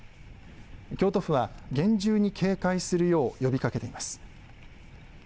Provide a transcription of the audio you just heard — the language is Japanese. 京都府は厳重に警戒するよう呼びかけています。